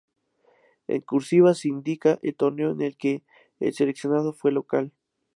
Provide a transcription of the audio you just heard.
En "cursiva" se indica el torneo en el que el seleccionado fue local.